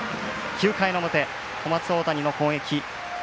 ９回の表、小松大谷の攻撃。